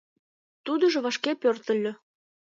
Тудыжо вашке пӧртыльӧ.